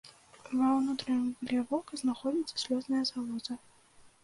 Ва ўнутраным вугле вока знаходзіцца слёзная залоза.